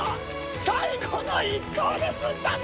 最後の一投で釣ったぞ！